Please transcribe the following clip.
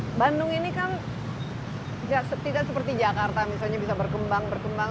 nah bandung ini kan tidak seperti jakarta misalnya bisa berkembang berkembang